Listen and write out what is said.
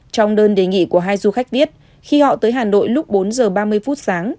trong đơn đề nghị của hai du khách viết khi họ tới hà nội lúc bốn giờ ba mươi phút sáng